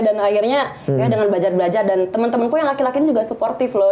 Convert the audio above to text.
dan akhirnya dengan belajar belajar dan temen temenku yang laki laki ini juga supportif loh